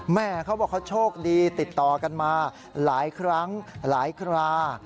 แม่เขาบอกเขาโชคดีติดต่อกันมาหลายครั้งหลายครา